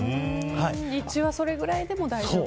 日中はそれぐらいでも大丈夫。